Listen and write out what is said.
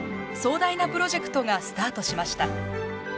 壮大なプロジェクトがスタートしました。